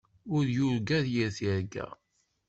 Ur yurga yir tirga.